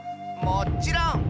もっちろん！